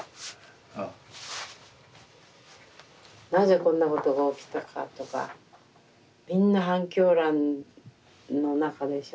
なぜこんなことが起きたかとかみんな半狂乱の中でしょ。